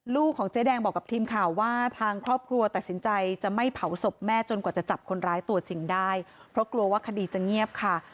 ของเจ๊แดงบอกกับทีมข่าวว่าทางครอบครัวตัดสินใจจะไม่เผาศพแม่จนกว่าจะจับคนร้ายตัวจริงได้เพราะกลัวว่าคดีจะเงียบค่ะ